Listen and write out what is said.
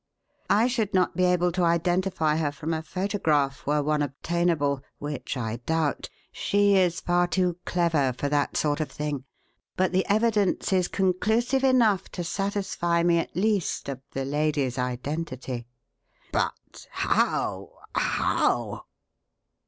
I should not be able to identify her from a photograph were one obtainable, which I doubt she is far too clever for that sort of thing but the evidence is conclusive enough to satisfy me, at least, of the lady's identity." "But how how?"